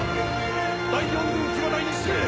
第四軍騎馬隊に指令！